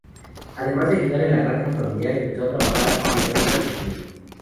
Además de ayudar en la granja familiar, empezó a trabajar en granjas vecinas.